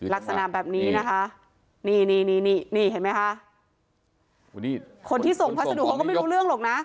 ลักษณะแบบนี้นะคะนี่นี่นี่เห็นไหมคะคนที่ส่งพัสดุเขาก็ไม่รู้เรื่องหรอกนะ